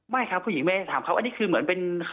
ไม่ครับผู้หญิงไม่ได้ถามเขาอันนี้คือเหมือนเป็น